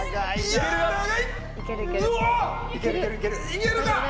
いけるよ！